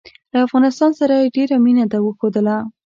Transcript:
له افغانستان سره یې ډېره مینه وښودله.